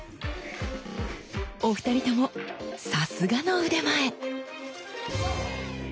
お二人ともさすがの腕前！